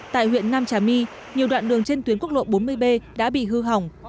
tại huyện nam trà my nhiều đoạn đường trên tuyến quốc lộ bốn mươi b đã bị hư hỏng